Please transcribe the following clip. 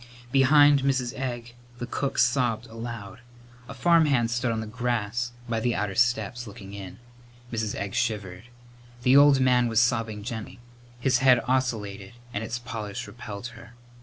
Behind Mrs. Egg the cook sobbed aloud. A farmhand stood on the grass by the outer steps, looking in. Mrs. Egg shivered. The old man was sobbing gently. His head oscillated and its polish repelled her.